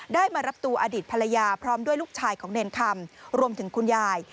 มารับตัวอดีตภรรยาพร้อมด้วยลูกชายของเนรคำรวมถึงคุณยาย